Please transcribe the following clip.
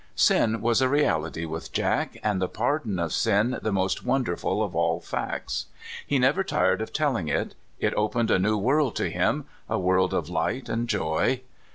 Sin was a reality with Jack, and the pardon of sin the most wonderful of all facts. He never tired of telling it ; it opened a new world to him, a world of light and joy.